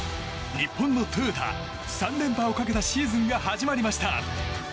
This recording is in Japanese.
日本のトヨタ３連覇をかけたシーズンが始まりました。